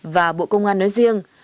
và bộ công an nói riêng